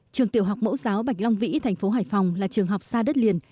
trường tiểu học mẫu giáo bạch long vĩ thành phố hải phòng là trường học xa đất liền